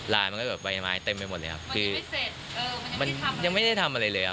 มันก็แบบใบไม้เต็มไปหมดเลยครับคือมันยังไม่ได้ทำอะไรเลยครับ